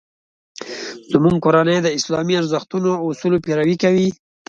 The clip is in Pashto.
زموږ کورنۍ د اسلامي ارزښتونو او اصولو پیروي کوي